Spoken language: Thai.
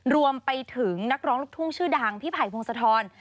รวมไปถึงนักร้องลูกทุ่งชื่อดังพี่ไผ่พงศธร